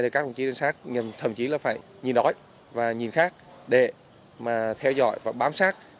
thì các công chí trinh sát thậm chí là phải nhìn đói và nhìn khác để mà theo dõi và bám sát